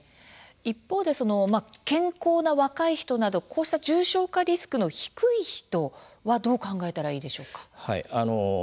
一方で健康な若い人など重症化リスクの低い人はどう考えたらいいでしょうか。